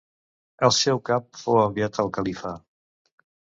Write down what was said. El seu cap fou enviat al califa.